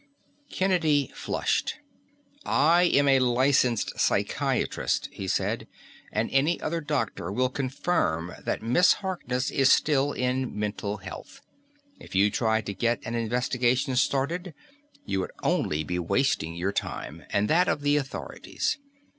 Kennedy flushed. "I am a licensed psychiatrist," he said, "and any other doctor will confirm that Miss Harkness is still in mental health. If you tried to get an investigation started, you would only be wasting your own time and that of the authorities.